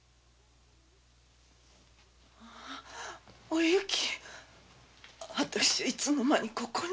おゆき私はいつの間にここへ？